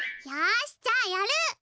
よしじゃあやる！